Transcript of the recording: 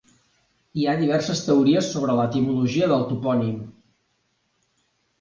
Hi ha diverses teories sobre l'etimologia del topònim.